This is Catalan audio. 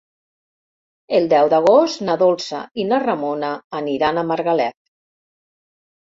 El deu d'agost na Dolça i na Ramona aniran a Margalef.